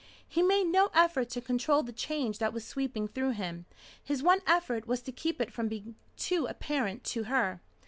He made no effort to control the change that was sweeping through him. His one effort was to keep it from being too apparent to her.